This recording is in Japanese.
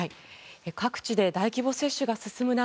各地で大規模接種が進む中